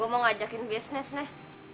mau ngajakin bisnis nih